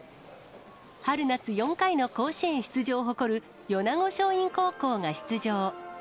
春夏４回の甲子園出場を誇る米子松蔭高校が出場。